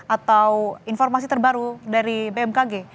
atau informasi terbaru dari bmkg